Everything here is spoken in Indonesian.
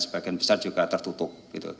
sebagian besar juga tertutup